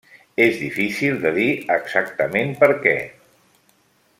És difícil de dir exactament per què.